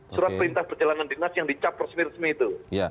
surat perintah perjalanan dinas yang dicap persenir senir itu